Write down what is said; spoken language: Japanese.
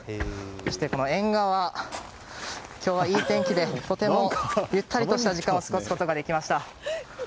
そして、縁側も今日はいい天気でとてもゆったりとした時間を過ごすことができました。